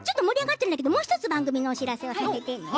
もう１つ番組のお知らせがあります。